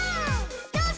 「よし！」